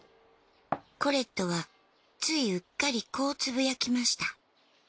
コレットはついうっかりこうつぶやきました